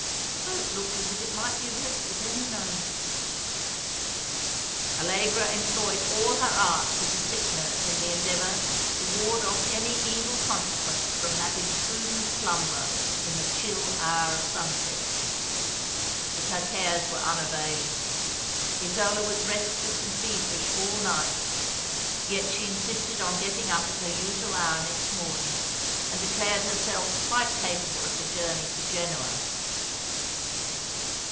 " The boat looked as if it might be wrecked at any moment." Allegra employed all her arts as a sick nurse in the endeavour to ward off any evil consequence from that imprudent slumber in the chill hour of sunset; but her cares were unavailing. Isola was restless and feverish all night, yet she insisted on getting up at her usual hour next morning, and declared herself quite capable of the journey to Genoa.